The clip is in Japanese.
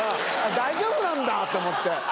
「大丈夫なんだ」と思って。